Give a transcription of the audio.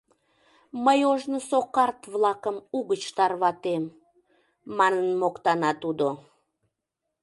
— Мый ожнысо карт-влакым угыч тарватем, — манын моктана тудо.